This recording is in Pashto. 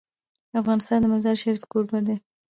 افغانستان د مزارشریف کوربه دی.